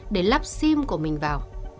để lắp sim của mình vào